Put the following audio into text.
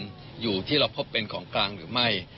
มันอยู่ที่เราพบเป็นของกลางหรือไม่